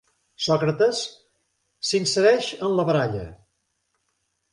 Sòcrates s'insereix en la baralla.